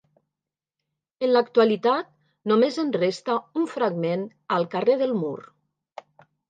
En l'actualitat només en resta un fragment al carrer del Mur.